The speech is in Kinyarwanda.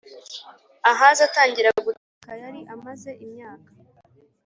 Ahazi atangira gutegeka yari amaze imyaka